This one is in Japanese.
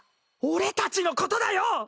俺たちのことだよ！